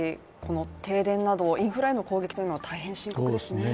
停電などインフラへの攻撃というのは大変深刻ですね。